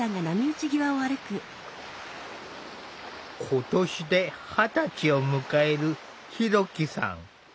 今年で二十歳を迎えるひろきさん。